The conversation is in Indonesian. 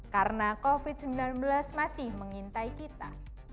karena covid sembilan belas masih mengintai kita